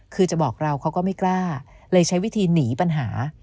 คือจะบอกเราเขาก็ไม่กล้าเลยใช้วิธีหนีปัญหา